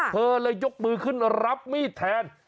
เธอเลยยกมือขึ้นรับมีดแทน